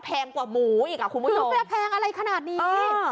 แพงกว่าหมูอีกคุณผู้ชมจะแพงอะไรขนาดนี้